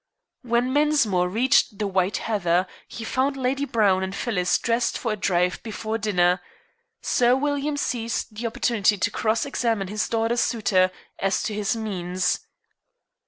When Mensmore reached the White Heather he found Lady Browne and Phyllis dressed for a drive before dinner. Sir William seized the opportunity to cross examine his daughter's suitor as to his means.